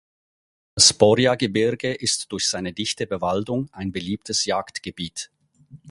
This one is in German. Das Borja-Gebirge ist durch seine dichte Bewaldung ein beliebtes Jagdgebiet.